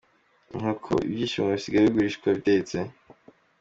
Inkoko : Ibishyimo bisigaye bigurishwa bitetse.